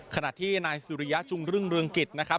ขณะที่นายสุริยะจุงรุ่งเรืองกิจนะครับ